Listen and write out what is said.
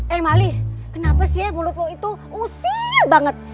eh malih kenapa sih ya mulut lo itu usil banget